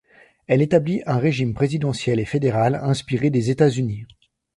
Elle établit un régime présidentiel et fédéral inspiré des États-Unis.